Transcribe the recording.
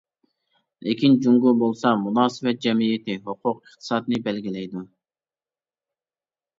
لېكىن جۇڭگو بولسا مۇناسىۋەت جەمئىيىتى، ھوقۇق ئىقتىسادنى بەلگىلەيدۇ.